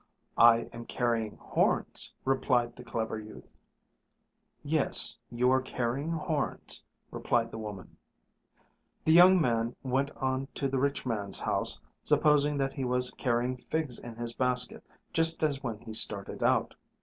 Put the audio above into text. "I am carrying horns," replied the clever youth. "Yes, you are carrying horns," replied the woman. The young man went on to the rich man's house supposing that he was carrying figs in his basket just as when he started out.